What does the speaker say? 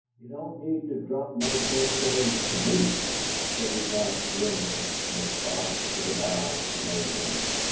You don't need to drop no curtseys to ME." He set his mouth grimly, in response to the bow she made him.